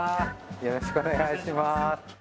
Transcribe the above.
よろしくお願いします